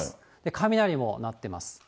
雷も鳴ってます。